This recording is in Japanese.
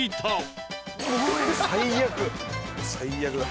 最悪だ。